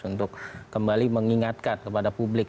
untuk kembali mengingatkan kepada publik